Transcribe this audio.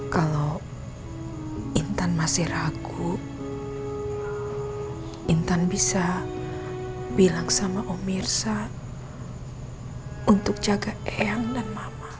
kalau intan masih ragu intan bisa bilang sama omiksa untuk jaga eyang dan mama